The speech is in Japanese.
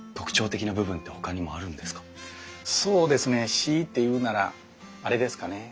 強いて言うならあれですかね。